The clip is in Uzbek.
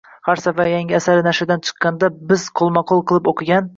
Har safar yangi asari nashrdan chiqqanda biz qo’lma-qo’l qilib o’qigan